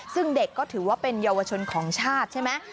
ซึ่งเด็กก็ถือว่าเป็นเยาวชนของชาติใช่ไหม